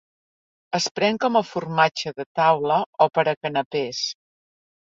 Es pren com a formatge de taula o per a canapès.